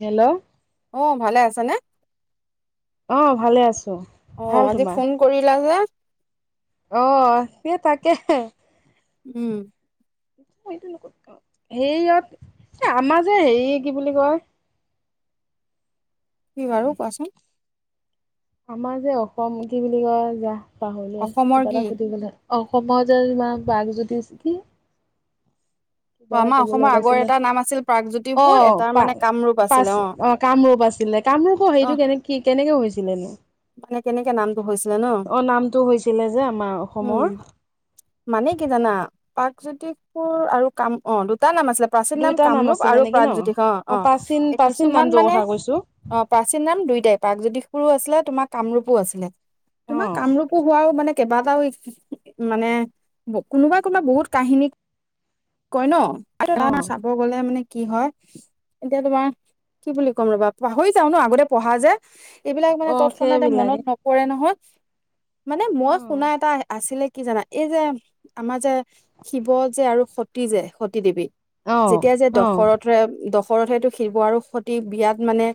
Hello. অ ভালে আছা নে। অ ভালে আছো। অ ভাল আজি তোমাৰ ফোন কৰিলা যে। অ সেই তাকে। উম। সেইটো ন হেৰিয়ত এ আমাৰ যে হেৰি কি বুলি কয়। কি বাৰু কোৱাচোন? আমাৰ যে অসম কি বুলি কয় যা পাহৰিলোৱে অসমৰ কিবা এটা কি? সুধি বলে অসমৰ যে বাঘজ্যোতি চ কি। কিবা অ', এটা আমাৰ কবলৈ অসমৰ আগৰ ওলাইছিল, এটা নাম আছিল অ প্ৰাগজ্যোতিপুৰ, এটাৰ পা মানে কামৰূপ আছিলে পাছে অ কামৰূপ আছ ছিলে কামৰূখ সেইটো অ', কেনে কেনেকে হৈছিল। মানে কেনেকে নামটো হৈছিলে ন অ নামটো হৈছিলে যে আমাৰ উম অসমৰ মানে কি জানা পাগজ্যোতিষপুৰ আৰু কাম অ দু তাৰ নাম আছিলে প্ৰাচীন নাম দুইটা কামৰূপ আছিলে আৰু নেকি ন প্ৰাগজ্যোতিষ অ অ প্ৰাচীন প্ৰাচীন কিছুমান নামটোৰ মানে। কথা কৈছো অ প্ৰাচীন নাম দুইটাই প্ৰাগজ্যোতিষ পোৰো আছিলে তোমাৰ কামৰূপো আছিলে তোমাৰ অ কামৰূপো হোৱাও মানে। কেবাটাও মানে কোনোবাই কোনোবা বহুত কাহিনী কই ন সেইকাৰণে অ', চাব গলে মানে কি হয় এতিয়া তোমাৰ কি বুলি ক'ম ৰবা পাহৰি যাও ন আগতে পঢ়া যে। এইবিলাক মানে অ', তৎক্ষণাতে সেইবিলাকে মনত নপৰে নহয়। মানে মই শুনা অ', এটা আছিলে কি জানা এই যে আমাৰ যে শিৱ যে আৰু সতী যে সতী দেৱীত, অ', যেতিয়া যে অ', দশৰথৰে দ ঘৰত সেইটো শিৱ আৰু সতি বিয়াত মানে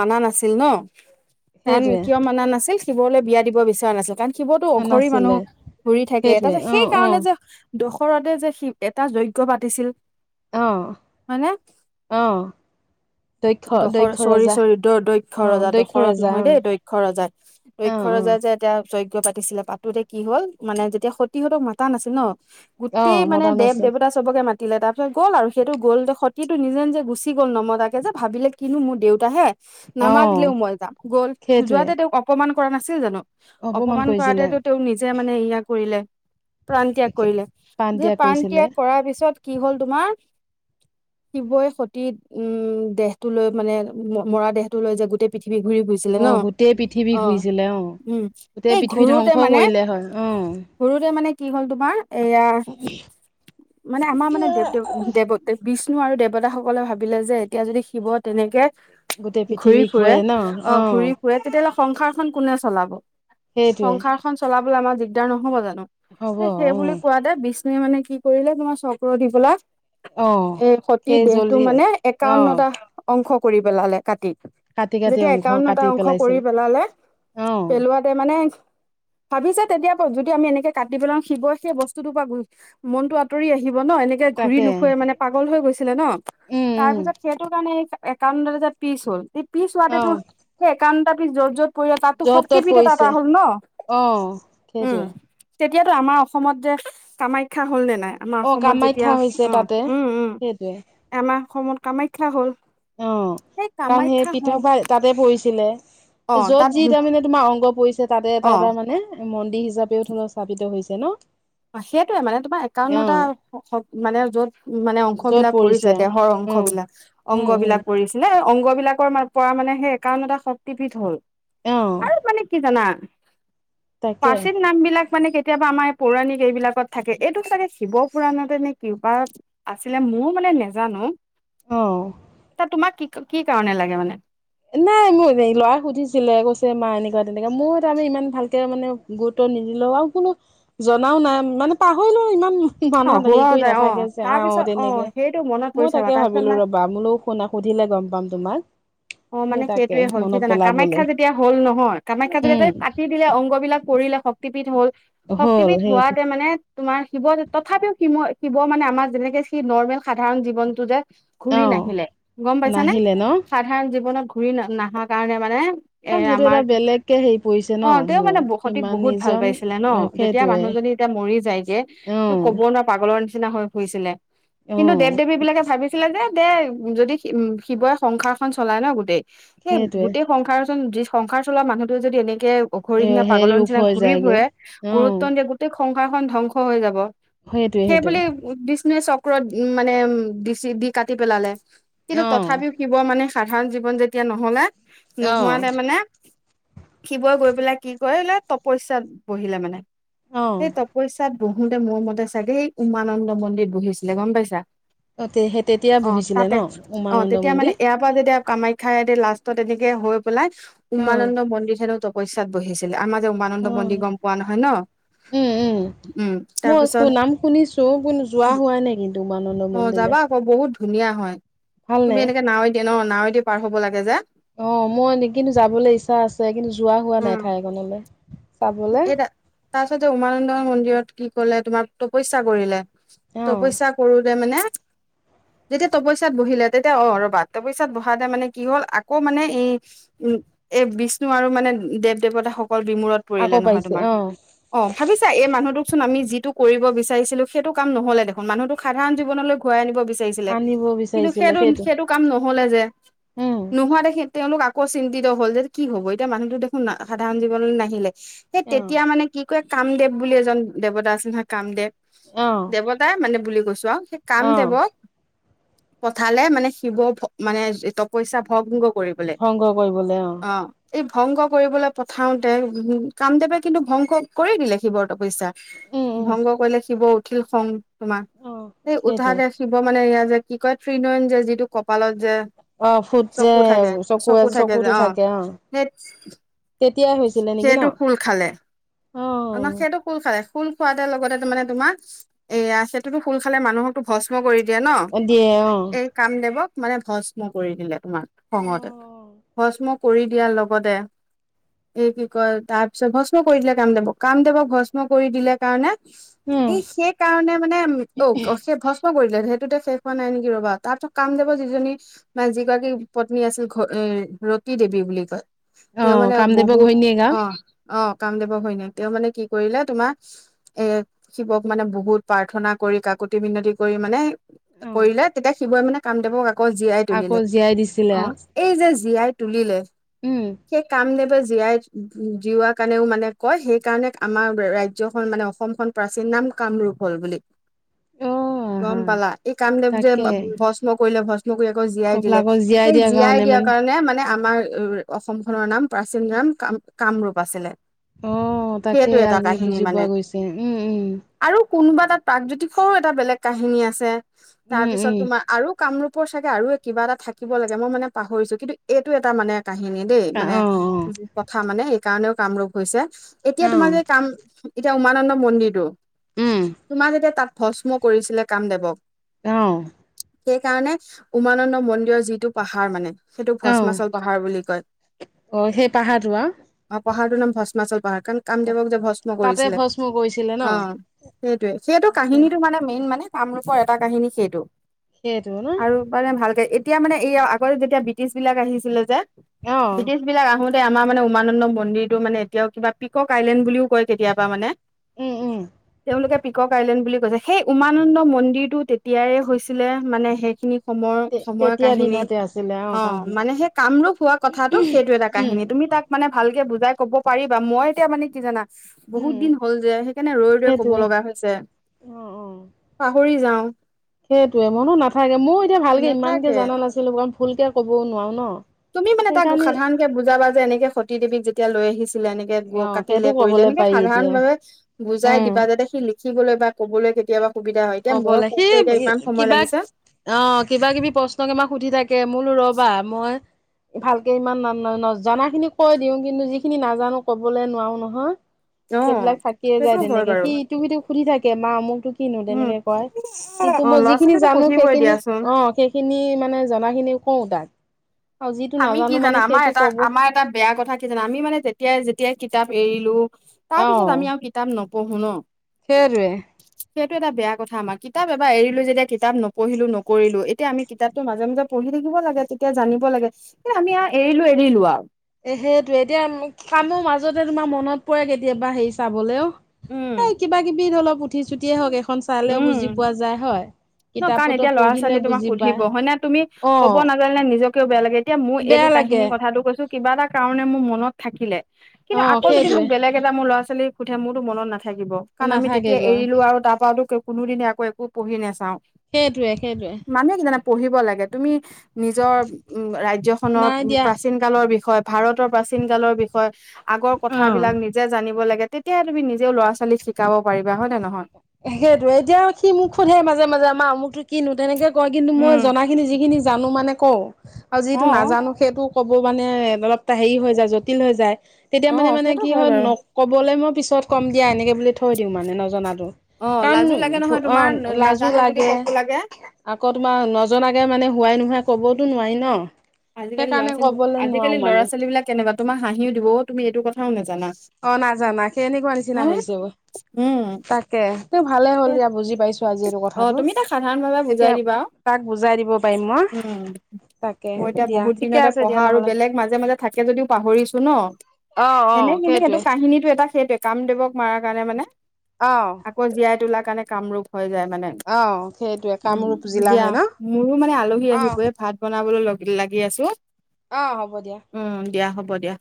মানা নাছিল ন। কাৰণ সেইটোৱে। কিয় মানা নাছিল শিৱলে বিয়া দিব বিচৰা নাছিল কাৰণ শিৱতো অঘৰি মানুহ নাছিলে ঘূৰি থাকে তাৰ সেইটোৱে পিছত সেই অ', অ', কাৰণে যে দশৰতে যে এটা যজ্ঞ পাতিছিল। অ অ। দক্ষ দখৰ দক্ষ চৰি ৰজা চৰি দ দক্ষ অ', ৰজা দক্ষ দখৰত ৰজা নহয় দেই অ', দক্ষ ক্ষ ৰজাই দক্ষ অ', ৰজা অ', যে এতিয়া য- যজ্ঞ পাতিছিলে পাতোতে কি হল মানে যেতিয়া সতিহঁতক মাতা নাছিল ন গোটেই অ', মানে মতা নাছিল দেৱ-দেৱতা চবকে মাত- দিলে তাৰপিছত গ'ল আৰু সেইটো গল সতিটো নিজে নিজে গুচি গ'ল নমতাকে যে ভাবিলে কিনো মোৰ দেউতাহে নামাতিলেও অ', মই যাম গ'ল সেইটোৱে যোৱাতে তেওঁক অপমান কৰা নাছিল জানো। অপমান কৰাতেটো তেওঁ নিজে মানে ইয়া কৰিলে প্ৰাণ ত্যাগ কৰিলে যে পাণ্ড্যিয়া প্ৰাণ কৰিছিলে ত্যাগ কৰাৰ পিছত কি হ'ল তোমাৰ। শিৱই সতিত উম দেহটো লৈ মানে মৰা দেহটো লৈ যে গোটেই পৃথি- শিৱি ফুৰিছিলে অ', ন গোটেই পৃথিৱী অ ঘূৰিছিলে অ উম গোটেই পৃথিৱী ধ্বংস কৰিলে হয় অ সৰুতে মানে কি হ'ল তোমাৰ এয়া মানে আমাৰ মানে দেৱ দেৱ দেৱত দেৱ বিষ্ণু আৰু দেৱতাসকলে ভাবিলে যে এতিয়া যদি শিৱ তেনেকে গোটেই ঘূৰি পৃথিৱী ফুৰে ঘূৰে ন অ ঘুৰি সংসাৰখন কোনে চলাব, সেইটোৱে সংসাৰখন চলাবলৈ আমাৰ দিগদাৰ নহব জানো? হ'ব সেই বুলি অ', কোৱা তে বিষ্ণুৱে মানে কি কৰিলে তোমাৰ চক্ৰ দি পেলাই অঁ এ সতি সেই দেহটো জলি মানে অঁ একাৱন্নটা অংশ কৰি পেলালে কাটি। কাটি কাটি যেতিয়া অংশ একাউন্ন এটা কাটি অংশ কৰি পেলাইছিল পেলালে অঁ পেলোৱাতে মানে ভাবিছে তেতিয়া যদি আমি এনেকে কাটি পেলাও শিৱই সেই বস্তুটোৰ পৰা মনতটো আতৰি আহিব ব ন এনেকে ঘুৰি তাকে নুফুৰে মানে পাগল হৈ গৈছিলে ন, উম তাৰ উম পিছত সেইটো কাৰণে একাউণ্টটা পিছ হ'ল সেই পিছ হোৱাতে অঁ সেই একাউণ্টটা পিছ য'ত য'ত পৰি তাতো য'ত ত'ত শক্তিপীঠ এটা পৰিছে এটা হ'ল ন অঁ উম। সেইটোৱে তেতিয়াটো আমাৰ অসমত যে কামাখ্যা হ'ল নে নাই? আমাৰ অঁ অসমত যেতিয়া কামাখ্যা হৈছে অ তাতে উম-উম সেইটোৱে আমাৰ অসমত কামাখ্যা হ'ল। অ সেই কাৰণ সেই কামাখ্যা হ পৃথক তাতে পৰিছিলে। অ যত তাত যি তাৰ মানে তোমাৰ অংগ পৰিছে তাতে অ এটা এটা মানে মন্দিৰ হিচাপেও থল স্থাপিত হৈছে ন। সেইটোৱেই মানে তোমাৰ একাৱন্নটা অঁ মানে য'ত মানে অংশ বিলাক পৰিছে দেহৰ অং উম অংশবিলাক উম উম অংগবিলাক পৰিছিলে, অংগ বিলাকৰ পৰা মানে সেই একাৱন্নটা শক্তিপীঠ হ'ল। অহ পাৰ্চিত নামবিলাক মানে কেতিয়াবা আমাৰ পৌৰাণিক এইবিলাকত থাকে। এইটো চাগে শিৱ পুৰাণতে নে কৃপা আছিলে মোৰ মানে নেজানো? অহ। তাত তোমাক কি কি কাৰণে লাগে মানে? নাই মোৰ ল'ৰাই সুধিছিলে কৈছে মা এনেকুৱা তেনেকা মোৰ এটা মানে ইমান ভালকে মানে গুৰুত্ব নিদিলেও আৰু কোনো জনাও নাই। মানে পাহৰিলোঁ ইমান অ মানাত হেৰি হোৱা কৰি যায় অ নাথাকে যে তাৰ আহ পিছত অ তেনেকে সেইটো মনত মই পৰিছে ৰবা তাকে তাৰপিছত ভাবিলো মানে ৰবা মোলৈও শুনা সুধি লে গম পাম তোমাৰ অ মানে সেইটোৱেই হ'ল কি জানা কামাখ্যা যেতিয়া হল নহয় কামাখ্যা উম যেতিয়া কাটি দিলে অংগবিলাক পৰিলে শক্তিপীঠ হ'ল হ'ল শক্তিপীঠ সেইটো হোৱাতে মানে তোমাৰ শিৱতে তথাপিও কি মই শিৱ মানে আমাৰ যেনেকে সি নৰ্মেল সাধাৰণ জীৱনটো যে ঘূৰি অ নাহিলে গম পাইছানে নাহিলে ন সাধাৰণ জীৱনত ঘূৰি নাহা কাৰণে মানে এ কাৰণ সেইটো আমাৰ এটা কি বেলেগকে হেৰি পৰিছে ন অ তেওঁ মানে মূৰত সতিক কিমান বহুত ভাল নিজন পাইছিলে ন, যেতিয়া সেইটোৱে মানুহজন এতিয়া মৰি যায় গে অ তোক ক'ব নোৱাৰা পাগলৰ নিছ নিচিনা হৈ ফুৰিছিলে অ কিন্তু দেৱ-দেৱীবিলাকে ভাবিছিলে যে দে যদি উম শিৱই সংসাৰখন চলাই ন গোটেই সেই সেইটোৱে গোটেই সংসাৰ সংসাৰ চলোৱা মানুহটো যদি এনে কে অঘৰি এ নিচিনা হেৰি পাগলৰ উফ নিচিনা হৈ ঘূৰি যায়গে ফুৰে গুৰুত্ব অ নিদিয়ে গোটেই সংসাৰখন ধ্বংস হৈ যাব। সেইটোৱে সেই বুলি সেইটোৱে বিষ্ণুৱে চক্ৰত মানে দিচি দি কাটি পেলালে। কিন্তু অ', তথাপিও শিৱ মানে সাধাৰণ জীৱন যেতিয়া নহলা অ', নোহোৱাতে মানে শিৱই গৈ পেলাই কি কৰিলে তপস্যা বহিলে মানে সেই অ', তপস্যাত বহোতে মোৰ মতে চাগে এই উমানন্দ মন্দিৰত বহিছিলে গম পাইছা। তে সেই তেতিয়া অ বহিছিলে তাতে ন অ উমানন্দ তেতিয়া মানে মন্দিৰ এয়া এতিয়া কামাখ্যাইদি লাষ্টত এনেকে হৈ পেলাই অ', উমানন্দ মন্দিত হেনো তপস্যাত বহিছিলে। আমাক যে উমানন্দ মন্দিৰ অ', গম পোৱা নহয় ন? উম উম। উ উম মই তাৰপিছত নাম শুনিছো কো যোৱা হোৱ নাই কিন্তু উমানন্দ অ মন্দিৰলে। যাবা আকৌ বহুত ধুনীয়া হয়, তুমি ভালনে? এনেকে নাৱে দিয়ে ন নাৱেদি পাৰ হ'ব লাগে যে। অ মই কিন্তু যাবলৈ ইচ্ছা আছে কিন্তু যোৱা হোৱা নাই ঠাই কনলৈ। এ তাৰপিছতে উমানন্দ মন্দিৰত কি কলে তোমাৰ তপস্যা কৰিলে। অ', তপস্যা কৰোতে মানে যেতিয়া তপচ্যাত বহিলে তেতিয়া অ ৰ'বা তপস্যাত বহাতে মানে কি হ'ল আকৌ মানে এই উম এ বিষ্ণু আৰু মানে দেৱ দেৱতাসকল বিমোৰ আকৌ কৰিলে নহয় পাইছে তোমাৰ অ', অ ভাবিছা এই মানুহটোক- চুন আমি যিটো কৰিব বিচাৰিছিলো সেইটো কাম নহ'লে দেখোন? মানুহটোক সাধাৰণ জীৱনলৈ ঘূৰাই আনিব বি তেইছিলে আনিব কিন্তু বিচাৰিছিলে সেইটো সেইটো কাম নহলে যে, উম, নোহোৱা দেখি তেওঁলোক আকৌ চিন্তিত হল যে কি হব এতিয়া মানুহতটো দেখোন সাধাৰণ জীৱনলৈ নাহিলে। সেই অ', তেতিয়া মানে কি কয় কামদেৱ বুলি এজন দেৱতা আছিল নহয় কামদেৱ অ', দেৱতাই মানে বুলি কৈছো আও সেই কাম অ', দেৱক পঠালে মানে শিৱ ভ মানে তপস্যা ভংগ কৰিবলে ভংগ কৰিবলে অ এই ভংগ কৰিবলৈ পঠাওতে উ কামদেৱে কিন্তু ভংগ কৰি দিলে শিৱৰ তপস্যা উম, উম, ভংগ কৰিলে শিৱৰ উঠিল খং তোমাৰ অ', সেই সেইটোৱে উঠাতে শিৱ মানে ইয়া যে কি কয় ত্ৰিনয়ন যে যিটো কপালত যে অ ফুট যে চকু চকুতো থাকে অ সেই তেতিয়াই হৈছিলে নেকি ন? সেইটো খোল খালে, অ ন সেইটো খোল খালে। খোল সোৱাদ লগতে তাৰমানে তোমাৰ এয়া সেইটোতো খোল খালে মানুহকো ভস্ম কৰি দিয়ে ন অ দিয়ে অ এই কাম দেৱক মানে ভস্ম কৰি দিলে তোমাৰ খঙতে ভস্ম কৰি দিয়াৰ লগতে এই কি কয় তাত তাপিছত ভস্ম কৰি দিলে কামদৱক। কামদৱক ভস্ম কৰি দিলে কাৰণে উম এই শেষ কাৰণে মানে অ সেই ভস্ম কৰিলে সেইটোতে শেষ হোৱা নাই নেকি ৰ'বা তাৰ কাম দেব যিজনী মান যিগৰাকী পত্নী আছিল ঘ ৰতি দেৱী বুলি কয় অ তেওঁ মানে কামদেৱৰ বহুত ঘৈণীয়েক অ অ কামদেৱৰ ঘৈণীয়েক মানে কি কৰিলে তোমাৰ এ শিৱক মানে বহুত প্ৰাৰ্থনা কৰি কাকতি বিনতি কৰি মানে আও কৰিলে তেতিয়া শিৱইে মানে কাম দেৱক অকল জীয়াই আকৌ তুলিলে। জীয়াই দিছিলে অ আও এই যে জীয়াই তুলিলে উম সেই কাম দেৱে জীয়াই অ জীওৱা কাৰণেও মানে কয় সেইকাৰণে আমাৰ ৰাজ্যখন মানে অসমখন প্ৰাচীন নাম কামৰূপ হল বুলি। অ [inaudible] গম আহা পালা? এই কামদেৱ যে তাকে ভস্ম কৰিলে ভস্ম কৰি আকৌ জীয়াই কবলা দিলে আকৌ সেই দিয়াৰ জীয়াই কাৰণে দিয়া মানে সেকাৰণে মানে আমাৰ অসম খনৰ নাম প্ৰাচীন নাম কাম কামৰূপ আছিলে। আহ সেইটো তাকেই এটা আজি কাহিনী বুজি মানে পোৱা গৈছে উম উম। আৰু কোনোবা তাত প্ৰাগজ্যোতিষৰো এটা বেলেগ কাহিনী আছে তাৰ উম পিছত উম তোমাৰ আৰু কামৰূপৰ চাগে আৰু কিবা এটা থাকিব লাগে মই মানে পাহৰিছো কিন্তু এইটো এটা মানে কাহিনী দেই, অ মানে অ কথা মানে সেই কাৰণেও কামৰূপ হৈছে। এতিয়া অ তোমাৰ যে কাম এতিয়া উমানন্দ মন্দিৰটো উম তোমাৰ যেতিয়া তাত ভস্ম কৰিছিলে কামদেৱক অহ। সেইকাৰণে উমানন্দ মন্দিৰৰ যিটো পাহাৰ মানে সেইটো অ ভস্মাচল পাহাৰ বুলি কয়। অ সেই পাহাৰটো আও পাহাৰ টো নাম ভস্মাচল পাহাৰ কাৰণ কাম দেৱক যে ভস্ম তাতে কৰিছিলে, ভস্ম কৰিছিলে ন অ সেইটোৱে সেইটো তাকে কাহিনীটো মানে মেইন মানে কামৰূপৰ এটা কাহিনী সেইটো, সেইটো ন আৰু মানে ভালকে এই তেতিয়া মানে এইয়া আগতে যেতিয়া ব্ৰিটিছ বিলাক আহিছিলে যে, অ ব্ৰিটিছবিলাক আহোতে আমাৰ মানে উমানন্দ মন্দিৰটো মানে এতিয়াও কিবা পিকক আইলেণ্ড বুলিও কয় কেতিয়াবা মানে উম উম তেওঁলোকে পিকক আইলেণ্ড বুলি সেই উমানন্দ মন্দিৰটো তেতিয়াই হৈছিলে মানে সেইখিনি সময়ৰ সময়ৰ তেতিয়া কাহিনী। দিনতে আছিলে অ কাহি মানে সেই কামৰূপ হোৱা কথাটো সেইটো এটা উম কাহিনী তুমি তাক মানে ভালকে বুজাই ক'ব পাৰিবা মই এতিয়া মানে কি জানা বহুত উম দিন হ'ল যে সেইকাৰণে ৰৈ ৰৈ কব সেইটোৱে লগা হৈছে পাহৰি যাও। সেইটোয়ে মইনো নাথাকে ময়ো এতিয়া ভালকে ইমানকে নেথাকে জনা নাছিলো কাৰণ ভুলকে ক'বও নোৱাৰো ন। তুমি মানে তাক সেইকাৰণে সাধাৰণকে বুজাবা যে এনেকে সতী দেৱীক যেতিয়া লৈ আহিছিল লে এনেকে গ অ সেইটো কাটিলে কৰিলে কবলে এনেকে পাৰি সাধাৰণ এতিয়া ভাৱে বুজাই উম দিবা যাতে সি সিকিবলৈ বা কবলৈ কেতিয়াবা সুবিধা হয় এতিয়া মই কবলে সি কওঁতে এতিয়া ইমান সময় কিবা লাগিছে অ কিবা -কিবি প্ৰশ্নকে মাক সুধি থাকে মোৰো ৰবা মই ভালকে ইমান ন ন জনা খিনি কৈ দিও কিন্তু যিখিনি নাজানো কবলৈ নোৱাৰো নহয়। অ সেইবিলাক থাকিয়ে সেইটো যায় হয় তেনেকে বাৰু সি ইটোক সিটোক সুধি থাকে মা আমোকটো কিনো উম তেনেকে কয়। কিন্তু অ মই ল'ৰা যিখিনি ছোৱালীটো জানো সুধিবই সেইখিনিক দিয়াচোন অ সেইখিনি মানে জনা খিনি কওঁ তাক আৰু যিটো আমি কি নাজানো জানা মানে আমাৰ সেইটো এটা ক'ব আমাৰ এটা বেয়া কথা কি জানা আমি মানে যেতিয়াই যেতিয়াই কিতাপ এৰিলো অ তাৰপিছত আমি আৰু কিতাপ নপঢ়ো ন। সেইটোৱে সেইটো এটা বেয়া কথা আমাৰ কিতাপ এবাৰ এৰিলো যেতিয়া কিতাপ নপঢ়িলো নকৰিলো। এতিয়া আমি কিতাপটো মাজে -মাজে পঢ়ি থাকিব লাগে তেতিয়া জানিব লাগে কি আমি এৰিলো এৰিলো আৰু এ সেইটোৱে এতিয়া কামো মাজতে তোমাৰ মনত পৰে কেতিয়াবা হেৰি চাবলেও। উম এই কিবা -কিবি অলপ উঠি চুতিয়ে হওক এখন চালেও বুজি উম পোৱা যায় হয়। ন কাৰণ কিতাপতো এতিয়া ল'ৰা পঢ়িলে ছোৱালীয়ে তোমাক বুজি পায় সুধিব হয় নে তুমি অ ক'ব নাজানে নিজকেও বেয়া লাগে এতিয়া মোৰ এইটো বেয়া কাৰ লাগে। কাহিনি কথাটো কৈছো কিবা এটা কাৰণে মোৰ মনত থাকিলে অ কিন্তু আকৌ যদি সেইটোৱে মোক বেলেগ এটা মোৰ ল'ৰা- ছোৱালী সুধে মোৰতো মনত নাথা থাকিব, কাৰণ আমি তেতিয়া নাথাকেগৈ এৰিলো আৰু তাৰ পৰাতো কোনোদিনে আকৌ একো পঢ়ি নাচাও। সেইটোৱে সেইটোৱে। পঢ়িব লাগে, তুমি নিজৰ উম ৰাজ্যখনৰ নাই দিয়া প্ৰাচীন কালৰ বিষয় বিষয় ভাৰতৰ প্ৰাচীন কালৰ বিষয়, আগৰ অ'। কথাবিলাক নিজে জানিব লাগে। তেতিয়া তুমি নিজেও ল'ৰা -ছোৱালীক শিকাব পাৰিবা হয় নে নহয়? সেইটোৱে এতিয়াও সি মোক সোধে মাজে মাজে আমাৰ অমুকতো কিনো তেনেকে কয় কিন্তু মই উম জনা খিনি যিখিনি জানো মানে কওঁ আৰু অ যিটো নাজানো সেইটো ক'ব মানে অলপটা হেৰি হৈ যায় জটিল হৈ যায় তেতিয়া অ মানে মানে সেইটো কি হয় বাৰু ন কবলৈ মই পিছত কম দিয়া এনেকে বুলি থৈ দিওঁ মানে নজনাতো। অ লাজো লাগে কাৰণ নহয় অ তোমাৰ লাজো নাজানো বুলি লাগে। ক'ব লাগে আকৌ তোমাৰ নজনাকে মানে হোৱাই নোহাই কবওতো নোৱাৰি ন আজিকালি সেইকাৰণে ল'ৰা- ছোৱালী ক'বলৈ নোৱাৰো আজিকালি লৰা- মানে ছোৱালীবিলাক কেনেকুৱা তোমাক হাঁহিও দিব তুমি এইটো কথাও নাজানা। অ নাজানা সেই এনেকুৱা নিচিনা হয়নে হৈছে উম তাকে স ভালে হ'ল দিয়া বুজি পাইছো আজি এইটো অ কথাটো তুমি তাক সাধাৰণ ভাৱে বুজাই এতিয়া দিবা তাক বুজাই দিব পাৰিম মই। উম তাকে মই এতিয়া দিয়া বহুত ঠিকে দিনতে আছে দিয়া পঢ়া আৰু নহ'লে বেলেগ মাজে মাজে থাকে যদিও পাহৰিছো ন। অ অ। এনে কিন্তু সেইটো সেইটোৱে কাহিনীটো এটা সেইটোৱে কামদেৱক মৰা কাৰণে মানে আহ তোলা কাৰণে কামৰূপ হৈ যায় মানে। সেইটোৱে উম কামৰূপ জিলা দিয়া হয় ন মোৰো মানে আলহী অ আহিবই ভাত বনাবলৈ লাগি আছো অ হ'ব দিয়া। উম দিয়া হব দিয়া।